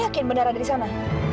makin beneran dari sana